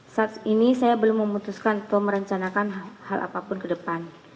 saat ini saya belum memutuskan atau merencanakan hal apapun ke depan